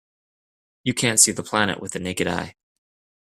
You can't see the planet with the naked eye.